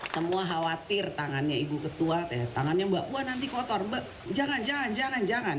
semua khawatir tangannya ibu ketua tangannya mbak puan nanti kotor mbak jangan jangan jangan